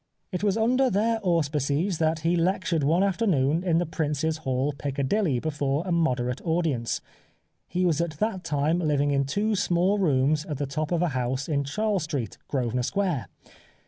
It was under their auspices that he lectured one afternoon in the Prince's Hall, Piccadilly, before a moderate audience. He was at that time living in two small rooms at the top of a house in Charles Street, Grosvenor Square.